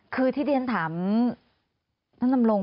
คือที่เรียนถามน้ำลง